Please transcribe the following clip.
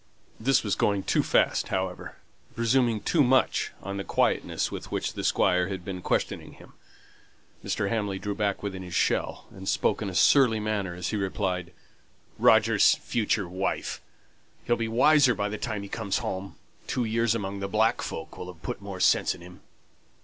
This was going too fast, however; presuming too much on the quietness with which the Squire had been questioning him. Mr. Hamley drew back within his shell, and spoke in a surly manner as he replied, "Roger's 'future wife!' He'll be wiser by the time he comes home. Two years among the black folk will have put more sense in him."